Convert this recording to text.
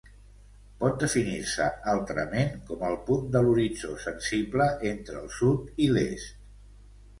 Pot definir-se altrament com el punt de l'horitzó sensible entre el sud i l'est.